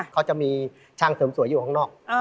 เขาจะมีช่างเสริมสวยอยู่ข้างนอก